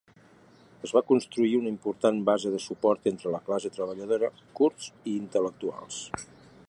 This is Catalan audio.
Es va construir una important base de suport entre la classe treballadora, kurds i intel·lectuals.